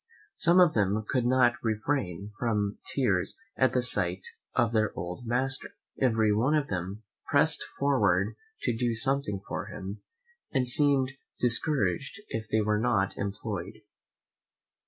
Some of them could not refrain from tears at the sight of their old master; every one of them press'd forward to do something for him, and seemed discouraged if they were not employed.